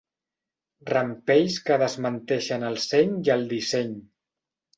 Rampells que desmenteixen el seny i el disseny.